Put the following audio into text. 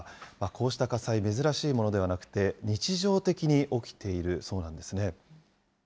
こうした火災、珍しいものではなくて、日常的に起きているそうなんですね。